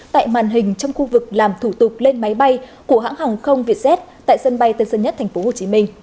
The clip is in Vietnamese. tại màn hình trong khu vực làm thủ tục lên máy bay của hãng hàng không vietjet tại sân bay tân sơn nhất tp hcm